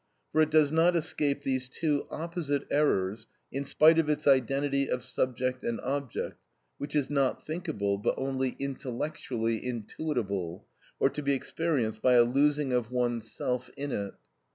For it does not escape these two opposite errors in spite of its identity of subject and object, which is not thinkable, but only "intellectually intuitable," or to be experienced by a losing of oneself in it.